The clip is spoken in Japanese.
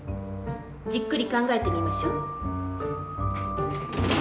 じっくり考えてみましょ。